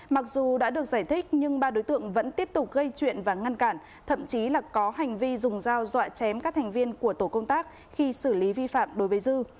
mặc dù đã được giải thích nhưng ba đối tượng vẫn tiếp tục gây chuyện và ngăn cản thậm chí là có hành vi dùng dao dọa chém các thành viên của tổ công tác khi xử lý vi phạm đối với dư